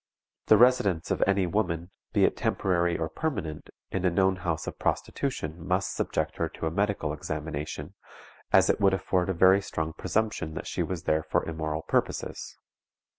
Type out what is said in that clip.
The residence of any woman, be it temporary or permanent, in a known house of prostitution must subject her to a medical examination, as it would afford a very strong presumption that she was there for immoral purposes.